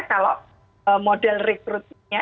kalau model rekrutnya